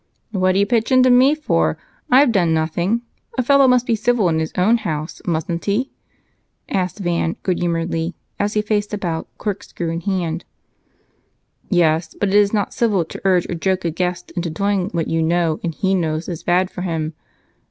"What do you pitch into me for? I've done nothing. A fellow must be civil in his own house, mustn't he?" asked Van good humoredly as he faced about, corkscrew in hand. "Yes, but it is not civil to urge or joke a guest into doing what you know and he knows is bad for him.